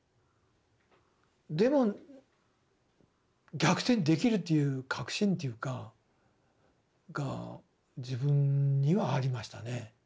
でも逆転できるっていう確信っていうか。が自分にはありましたね。